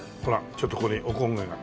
ちょっとここにお焦げが。